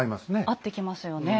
合ってきますよね。